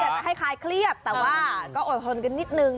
ก็อยากจะให้ค้าเครียบแต่ว่าก็อดทนกันนิดนึง